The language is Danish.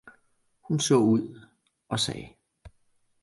hun så ud, og sagde.